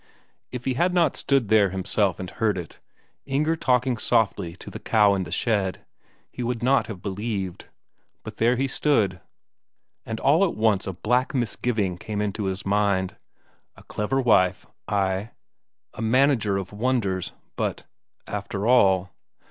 If he had not stood there himself and heard it Inger talking softly to the cow in the shed he would not have believed. But there he stood. And all at once a black misgiving came into his mind: a clever wife, ay, a manager of wonders but, after all....